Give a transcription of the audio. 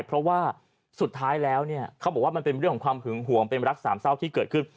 เพราะว่าสุดท้ายแล้วเนี่ยเขาบอกว่ามันเป็นเรื่องของความหึงห่วงเป็นรักสามเศร้าที่เกิดขึ้น